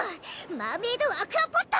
マーメイドアクアポット！